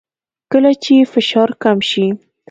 کله چې فشار کم شي